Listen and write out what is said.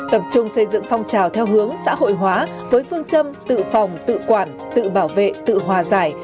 tập trung xây dựng phong trào theo hướng xã hội hóa với phương châm tự phòng tự quản tự bảo vệ tự hòa giải